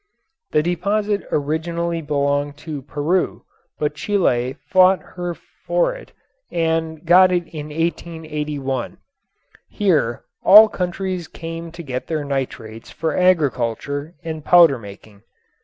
The deposit originally belonged to Peru, but Chile fought her for it and got it in 1881. Here all countries came to get their nitrates for agriculture and powder making.